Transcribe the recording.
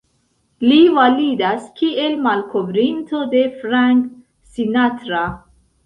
Li validas kiel malkovrinto de Frank Sinatra.